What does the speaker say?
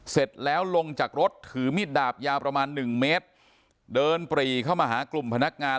เสร็จแล้วลงจากรถถือมีดดาบยาวประมาณหนึ่งเมตรเดินปรีเข้ามาหากลุ่มพนักงาน